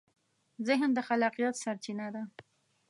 ذهن د خلاقیت سرچینه ده.